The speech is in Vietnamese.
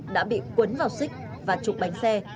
đã bị cuốn vào xích và trục bánh xe